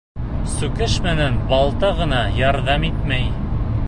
Сүкеш менән балта ғына ярҙам итмәй